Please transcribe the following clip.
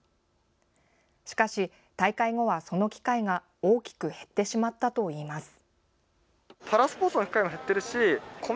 しかし大会後は、その機会が大きく減ってしまったといいます。